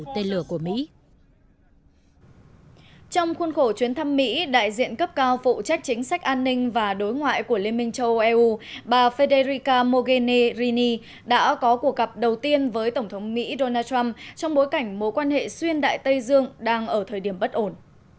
trong khuôn khổ chuyến thăm mỹ đại diện cấp cao phụ trách chính sách an ninh và đối ngoại của liên minh châu âu eu bà federica mogheni rini đã có cuộc gặp đầu tiên với tổng thống mỹ donald trump trong bối cảnh mối quan hệ xuyên đại tây dương đang ở thời điểm bất ổn